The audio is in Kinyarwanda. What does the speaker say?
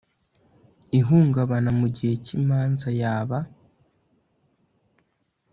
ihungaba mu gihe cy imanza yaba